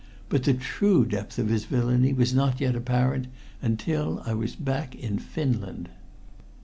But the true depth of his villainy was not yet apparent until I was back in Finland.